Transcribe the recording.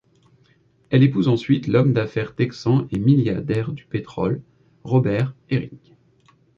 Elle épouse ensuite l'homme d'affaires texan et milliardaire du pétrole Robert Herring.